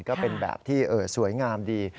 ก็เป็นแบบที่สวยงามดี